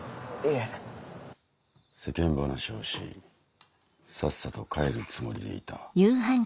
「世間話をしさっさと帰るつもりでいた」。